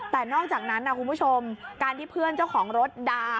แต่นอกจากนั้นนะคุณผู้ชมการที่เพื่อนเจ้าของรถด่า